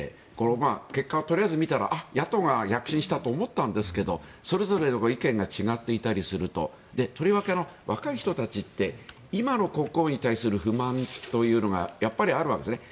結果を、とりあえず見たら野党が躍進したと思ったんですがそれぞれの意見が違っていたりするととりわけ若い人たちって今の国王に対する不満というのがやっぱりあるわけですね。